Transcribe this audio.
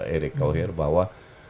erik toer bahwa